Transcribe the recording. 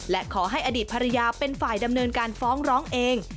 และขอให้อดีตภรรยาเป็นฝ่ายดำเนินการฟ้องร้องเอง